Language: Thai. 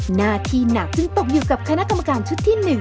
หน้าที่หนักจึงตกอยู่กับคณะกรรมการชุดที่๑